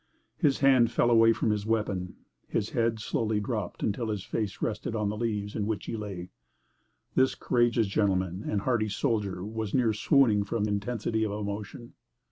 His hand fell away from his weapon, his head slowly dropped until his face rested on the leaves in which he lay. This courageous gentleman and hardy soldier was near swooning from intensity of emotion.